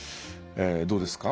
どうですか？